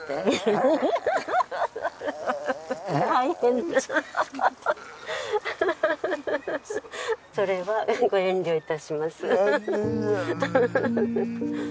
フフフフそれはご遠慮いたします